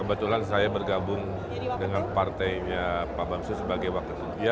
kebetulan saya bergabung dengan partainya pak bamsud sebagai wakil